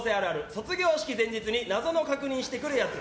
卒業式前日に謎の確認してくる奴。